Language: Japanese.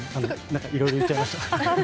いろいろ言っちゃいました。